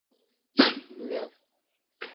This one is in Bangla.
উহ, মেয়ার!